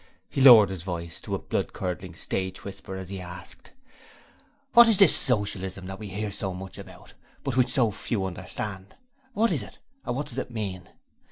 He lowered his voice to a blood curdling stage whisper as he asked: 'What is this Socialism that we hear so much about, but which so few understand? What is it, and what does it mean?'